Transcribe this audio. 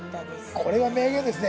これは名言ですね。